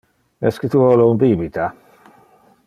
Esque tu vole un bibita?